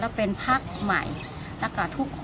สวัสดีครับ